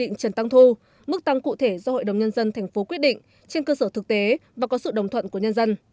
quy định trần tăng thu mức tăng cụ thể do hội đồng nhân dân thành phố quyết định trên cơ sở thực tế và có sự đồng thuận của nhân dân